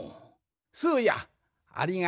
スーやありがとう。